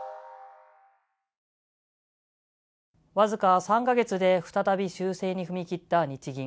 僅か３か月で再び修正に踏み切った日銀。